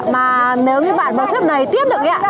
mà nếu như bạn muốn xếp đầy tiếp được